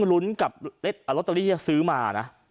และเล็ตรถตลาดเตอรี่ซื้อมานะ